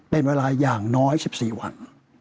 เป็นเวลาอย่างน้อย๑๔วัน